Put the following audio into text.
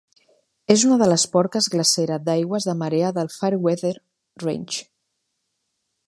És una de les porques glacera d"aigües de marea del Fairweather Range.